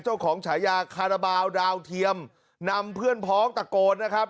ฉายาคาราบาลดาวเทียมนำเพื่อนพ้องตะโกนนะครับ